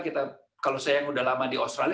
kalau saya yang sudah lama di australia